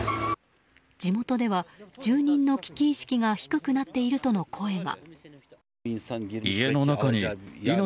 地元では住人の危機意識が低くなっているとの声が。